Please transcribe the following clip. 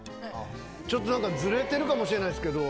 ちょっと何かずれてるかもしれないですけど。